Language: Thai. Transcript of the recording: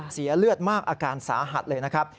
เสียเลือดมากอาการสาหัสเลยนะครับ